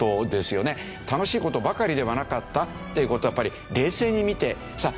楽しい事ばかりではなかったっていう事をやっぱり冷静に見てさあ